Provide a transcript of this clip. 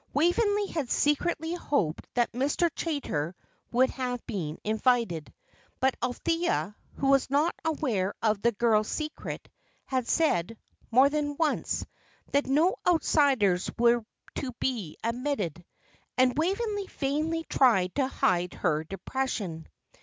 Waveney had secretly hoped that Mr. Chaytor would have been invited; but Althea, who was not aware of the girl's secret, had said, more than once, that no outsiders were to be admitted, and Waveney vainly tried to hide her depression.